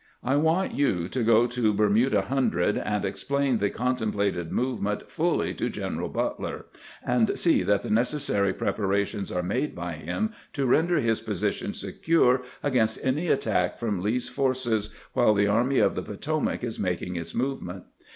I want you to go to Bermuda Hundred, and explain the contemplated move ment fuUy to Greneral Butler, and see that the necessary preparations are made by him to render his position secure against any attack from Lee's forces while the Army of the Potomac is making its movement.